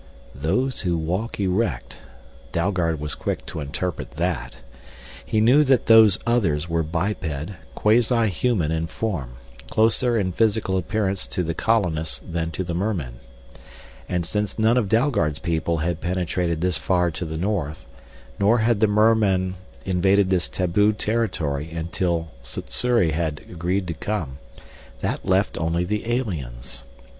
Those who walk erect Dalgard was quick to interpret that. He knew that Those Others were biped, quasi human in form, closer in physical appearance to the colonists than to the mermen. And since none of Dalgard's people had penetrated this far to the north, nor had the mermen invaded this taboo territory until Sssuri had agreed to come, that left only the aliens.